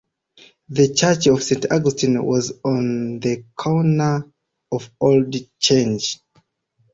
The Church of St Augustine was on the corner of Old Change.